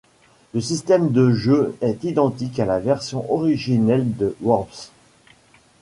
Le système de jeu est identique à la version originelle de Worms.